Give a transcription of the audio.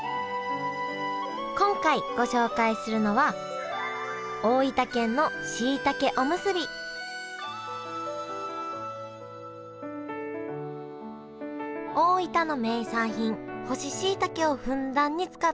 今回ご紹介するのは大分の名産品干ししいたけをふんだんに使ったおむすび。